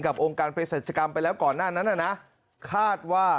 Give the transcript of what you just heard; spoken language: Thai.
กับองค์การพฤษฐกรรมไปแล้วก่อนหน้านั้น